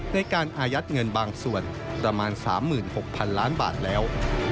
ในการอายัดเงินบางส่วนประมาณ๓๖๐๐๐ล้านบาทแล้ว